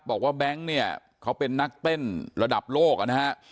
แบงค์เนี่ยเขาเป็นนักเต้นระดับโลกนะฮะ